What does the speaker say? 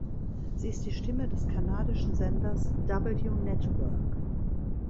Sie ist die Stimme des kanadischen Senders "W Network".